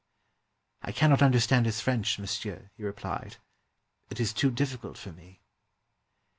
"I cannot understand his French, monsieur," he re plied; "it is too difficult for me."